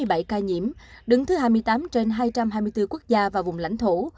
có hai bảy mươi tám tám mươi bảy ca nhiễm đứng thứ hai mươi tám trên hai trăm hai mươi bốn quốc gia và vùng lãnh thổ